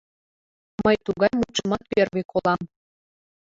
Мый тугай мутшымат первый колам.